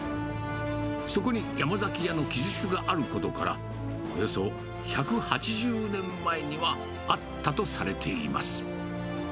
そこに山崎屋の記述があることから、およそ１８０年前にはあったとされています。